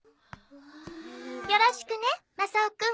よろしくねマサオくん。